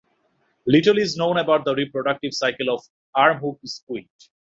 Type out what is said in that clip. Little is known about the reproductive cycle of armhook squid.